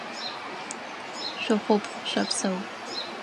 Шъухъупхъ, шъопсэу!